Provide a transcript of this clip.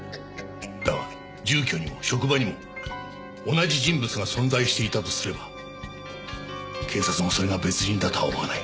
だが住居にも職場にも同じ人物が存在していたとすれば警察もそれが別人だとは思わない。